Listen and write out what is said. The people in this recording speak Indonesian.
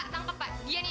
dia nih yang anehnya saya